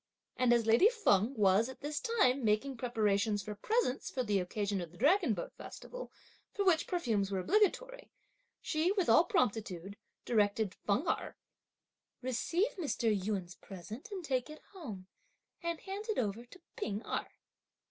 And as lady Feng was, at this time, making preparations for presents for the occasion of the dragon boat festival, for which perfumes were obligatory, she, with all promptitude, directed Feng Erh: "Receive Mr. Yün's present and take it home and hand it over to P'ing Erh.